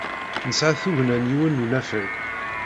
Nesɛa tugna n yiwen n unafag.